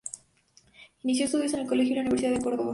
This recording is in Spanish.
Inició estudios en el Colegio y la Universidad de Córdoba.